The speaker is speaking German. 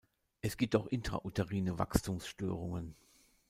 Es gibt auch intrauterine Wachstumsstörungen.